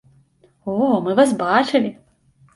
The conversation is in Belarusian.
О, мы вас бачылі!